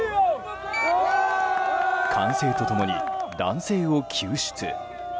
歓声と共に男性を救出。